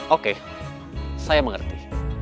oke saya mengerti